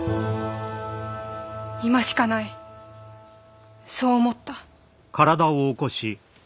今しかないそう思った。